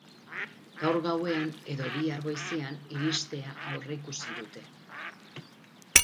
Gaur gauean edo bihar goizean iristea aurreikusi dute.